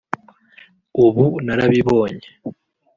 ubu narabibonye